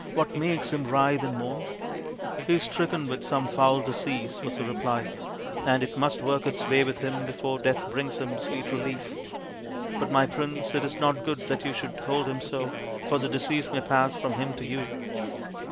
" What makes him writhe and moan ?"" He is stricken with some foul disease, 55 was the reply, " and it must work its way with him before death brings him sweet relief. But, my Prince, it is not good that you should hold him so, for the disease may pass from him to you.